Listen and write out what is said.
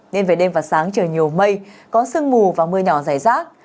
nên về đêm và sáng trời nhiều mây có sương mù và mưa nhỏ rải rác